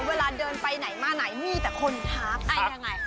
เวลาเดินไปไหนมาไหนมีแต่คนทักยังไง